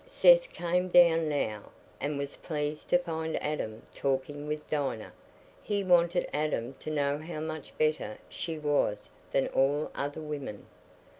Seth came down now, and was pleased to find Adam talking with Dinah; he wanted Adam to know how much better she was than all other women.